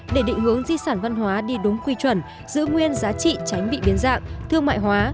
để định hướng di sản văn hóa đi đúng quy chuẩn giữ nguyên giá trị tránh bị biến dạng thương mại hóa